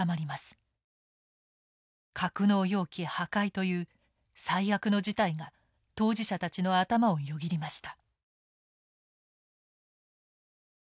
格納容器破壊という最悪の事態が当事者たちの頭をよぎりました。